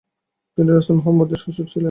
তিনি রাসুল মুহাম্মাদের শ্বশুর ছিলেন।